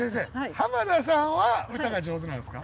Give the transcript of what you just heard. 濱田さんは歌が上手なんですか？